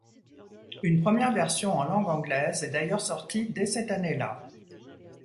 Une première version en langue anglaise est d'ailleurs sortie dès cette année-là.